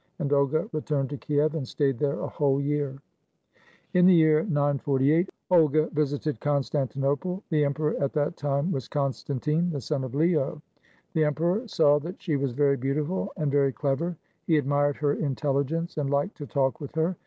And Olga returned to Kiev and stayed there a whole year. ... In the year 948 Olga visited Constantinople. The emperor at that time was Constantine, the son of Leo. The emperor saw that she was very beautiful and very clever. He admired her intelligence and liked to talk with her.